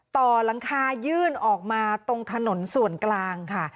ต่อหลังคายื่นออกมาตรงถนนส่วนกลางค่ะ